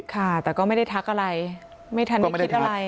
ค่ะแต่ก็ไม่ได้ทักอะไรไม่ทันได้คิดอะไร